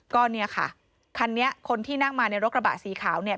ก็เนี่ยค่ะคันนี้คนที่นั่งมาในรถกระบะสีขาวเนี่ย